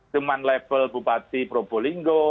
cuman level bupati probolinggo